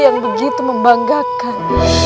yang begitu membangun